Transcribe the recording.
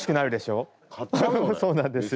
アハハそうなんですよ。